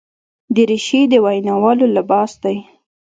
دریشي د ویناوالو لباس دی.